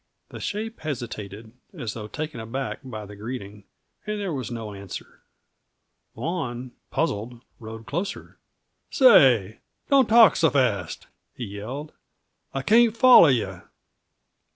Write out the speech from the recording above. The shape hesitated, as though taken aback by the greeting, and there was no answer. Vaughan, puzzled, rode closer. "Say, don't talk so fast!" he yelled. "I can't follow yuh."